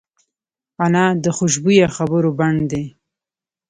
انا د خوشبویه خبرو بڼ دی